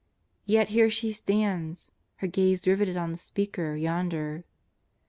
Yet here she stands, her gaze riveted on the Speaker yonder.